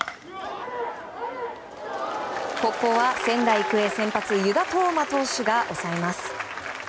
ここは仙台育英、先発湯田統真投手が抑えます。